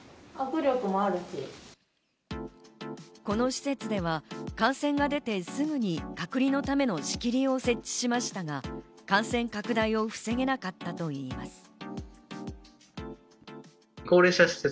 この施設では感染が出てすぐに隔離のための仕切りを設置しましたが、感染拡大を防げなかったといいます。